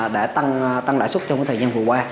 đã tăng lãi xuất trong thời gian vừa qua